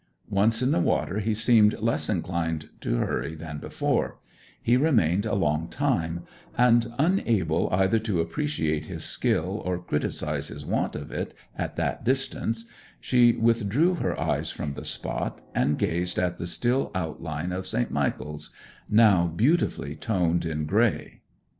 Once in the water he seemed less inclined to hurry than before; he remained a long time; and, unable either to appreciate his skill or criticize his want of it at that distance, she withdrew her eyes from the spot, and gazed at the still outline of St. Michael's now beautifully toned in grey.